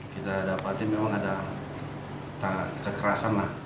kita dapatin memang ada kekerasan lah